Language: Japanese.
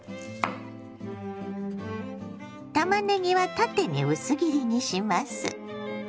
たまねぎは縦に薄切りにします。